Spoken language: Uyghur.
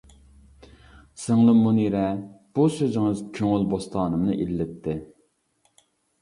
سىڭلىم مۇنىرە، بۇ سۆزىڭىز كۆڭۈل بوستانىمنى ئىللىتتى.